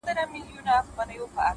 كيسه يې ورانه كړله وران سول ياران.!